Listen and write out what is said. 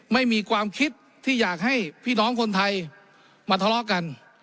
ไม่มีความคิดที่อยากให้พี่น้องคนไทยมาทะเลาะกัน